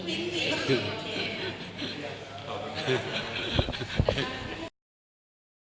โปรดติดตามตอนต่อไป